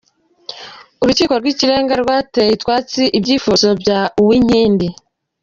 Urukiko rw’Ikirenga rwateye utwatsi ibyifuzo bya Uwinkindi